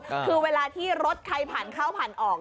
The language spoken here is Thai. คือเวลาที่รถใครผ่านเข้าผ่านออก